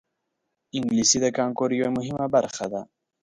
انګلیسي د کانکور یوه مهمه برخه ده